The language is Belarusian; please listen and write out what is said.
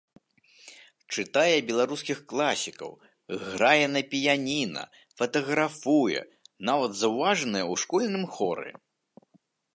Чытае беларускіх класікаў, грае на піяніна, фатаграфуе, нават заўважаная ў школьным хоры.